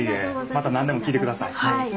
また何でも聞いてください。